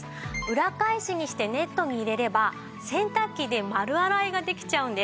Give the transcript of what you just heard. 裏返しにしてネットに入れれば洗濯機で丸洗いができちゃうんです。